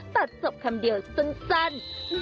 ตัดสบคำเดียวส่วนสั้น